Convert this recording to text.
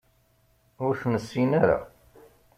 Ur t-nessin ara.